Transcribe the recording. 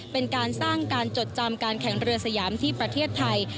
เป็นการสร้างการจดจำการแข่งเรือสยามที่ประเทศไทย